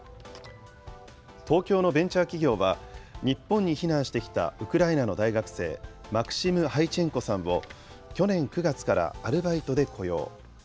東京のベンチャー企業は、日本に避難してきたウクライナの大学生、マクシム・ハイチェンコさんを去年９月からアルバイトで雇用。